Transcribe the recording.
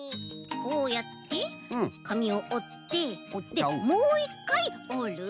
こうやってかみをおっておってもういっかいおる。